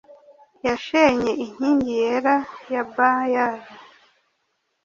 yashenye inkingi yera ya bayali